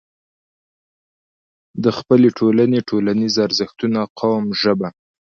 د خپلې ټولنې، ټولنيز ارزښتونه، قوم، ژبه